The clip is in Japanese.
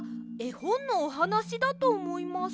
ほんのおはなしだとおもいます。